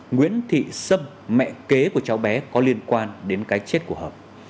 nguyễn thị sâm mẹ kế của cháu bé có liên quan đến cái chết của hợp